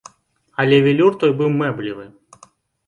Але велюр той быў мэблевы.